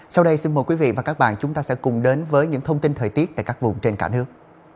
sau đây xin mời quý vị và các bạn chúng ta sẽ cùng đến với những thông tin thời tiết tại các vùng trên cả nước